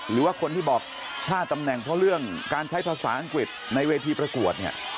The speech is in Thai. หรือว่าคนที่บอกพลาดตำแหน่งเพราะเรื่องการใช้ภาษาอังกฤษในเวทีประกวดเนี่ย